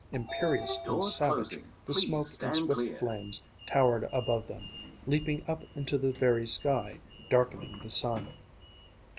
Imperious and savage, the smoke and swift flames towered above them, leaping up into the very sky, darkening the sun.